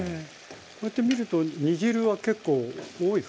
こうやって見ると煮汁は結構多い感じで。